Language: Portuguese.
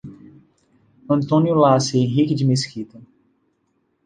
Antônio Laci Henrique de Mesquita